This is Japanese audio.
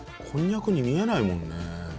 こんにゃくに見えないもんね。